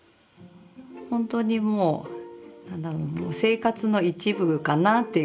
本当にもう生活の一部かなっていう。